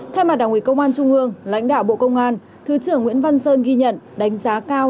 thay mặt đảng ủy công an trung ương lãnh đạo bộ công an thứ trưởng nguyễn văn sơn ghi nhận đánh giá cao